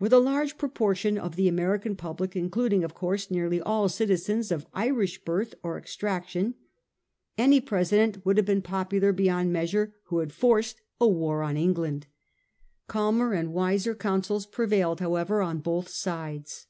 With a large proportion of the American public, in cluding, of course, nearly all citizens of Irish birth or extraction, any President would have been popular beyond measure who had forced a war on England. Calmer and wiser counsels prevailed, however, on both sides.